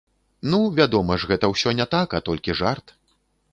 Ну, вядома ж, гэта ўсё не так, а толькі жарт.